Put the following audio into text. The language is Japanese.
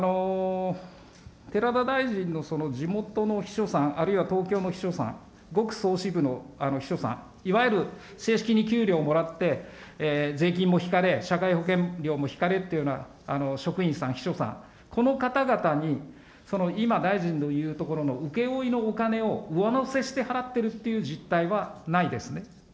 寺田大臣の地元の秘書さん、あるいは東京の秘書さん、５区総支部の秘書さん、いわゆる正式に給料をもらって、税金も引かれ、社会保険料も引かれっていうような職員さん、秘書さん、この方々に、その今、大臣の言うところの請け負いのお金を上乗せして払ってるっていう実態はないですね。